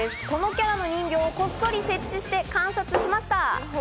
このキャラの人形をこっそり設置して観察してみました。